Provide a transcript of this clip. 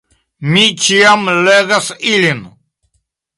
Mi ĉiam legas ilin.